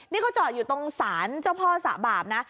นี่เขาจอดอยู่ตรงศาลเจ้าพ่อสะบาปนะ